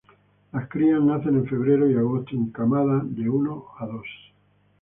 Las crías nacen en febrero y agosto en camadas de uno a dos.